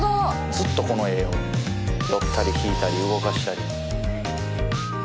ずっとこの画よ寄ったり引いたり動かしたり。